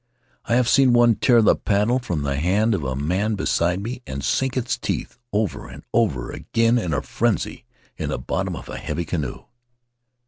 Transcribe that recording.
... I have seen one tear the paddle from the hand of a man beside me and sink its teeth, over and over again in a frenzy, in the bottom of a heavy canoe.